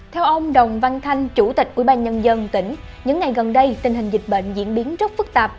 theo ông đồng văn thanh chủ tịch ubnd tỉnh những ngày gần đây tình hình dịch bệnh diễn biến rất phức tạp